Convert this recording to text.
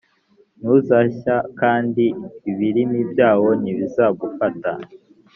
ntuzashya kandi ibirimi byawo ntibizagufata